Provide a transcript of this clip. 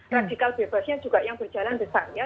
radikal bebasnya juga yang berjalan besar ya